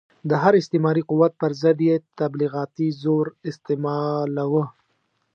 د هر استعماري قوت پر ضد یې تبلیغاتي زور استعمالاوه.